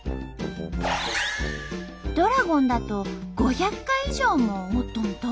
ドラゴンだと５００回以上も折っとんと！